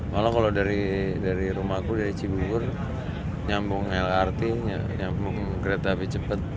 malah kalau dari rumahku dari cibubur nyambung lrt nyambung kereta api cepat